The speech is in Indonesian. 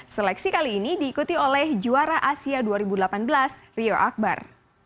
seleksi kali ini diikuti oleh juara asia dua ribu delapan belas rio akbar